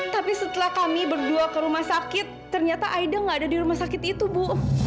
tapi setelah kami berdua ke rumah sakit ternyata aida nggak ada di rumah sakit itu bu